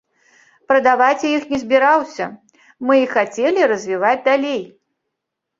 Прадаваць я іх не збіраўся, мы іх хацелі развіваць далей.